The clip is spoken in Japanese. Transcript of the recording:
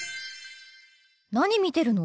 何見てるの？